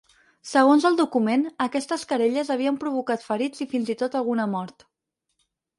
Segons el document, aquestes querelles havien provocat ferits i fins i tot algun mort.